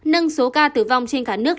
nâng số ca tử vong trên cả nước